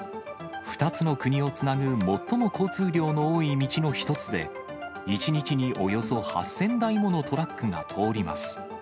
２つの国をつなぐ最も交通量の多い道の一つで、１日におよそ８０００台ものトラックが通ります。